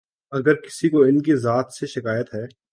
اگر کسی کو ان کی ذات سے شکایت ہے۔